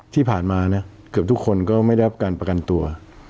ที่ผ่านมาเนี่ยเกือบทุกคนก็ไม่ได้รับการประกันตัว